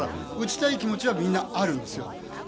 打ちたい気持ちはみんなあるんですよ。